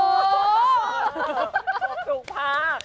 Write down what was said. ชกพัก